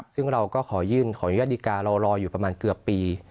ซึ่งเราก็ขอยื่นขออนุญาตดีการ์เรารออยู่ประมาณเกือบปี